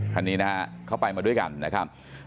คันนี้นะฮะเขาไปมาด้วยกันนะครับ